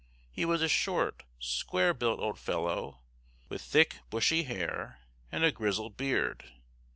He was a short, square built old fellow, with thick bushy hair, and a grizzled beard.